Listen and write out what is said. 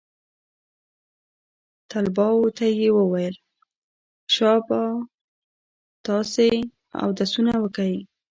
طلباو ته يې وويل شابه تاسې اودسونه وكئ.